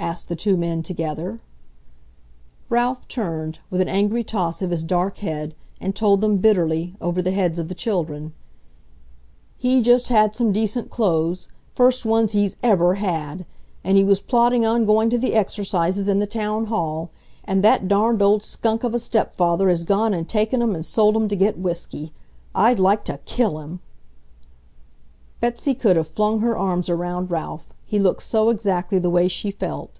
asked the two men together. Ralph turned, with an angry toss of his dark head, and told them bitterly, over the heads of the children: "He just had some decent clothes.... First ones he's EVER had! And he was plotting on going to the exercises in the Town Hall. And that darned old skunk of a stepfather has gone and taken 'em and sold 'em to get whiskey. I'd like to KILL him!" Betsy could have flung her arms around Ralph, he looked so exactly the way she felt.